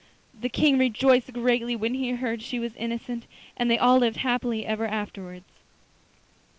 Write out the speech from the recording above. The King rejoiced greatly when he heard she was innocent, and they all lived happily ever afterwards.